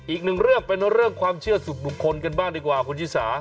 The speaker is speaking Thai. อีกหนึ่งเรื่องเป็นเรื่องความเชื่อสุดบุคคลกันบ้างดีกว่าคุณชิสา